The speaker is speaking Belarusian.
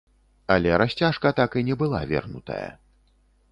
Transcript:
Але расцяжка так і не была вернутая.